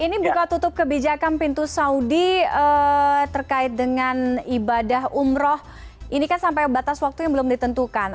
ini buka tutup kebijakan pintu saudi terkait dengan ibadah umroh ini kan sampai batas waktu yang belum ditentukan